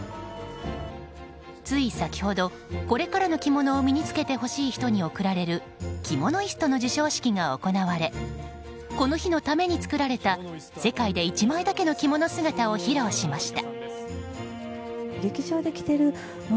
つい先ほど、これからの着物を身に付けてほしい人に贈られるキモノイストの授賞式が行われこの日のために作られた世界で１枚だけの着物姿を披露しました。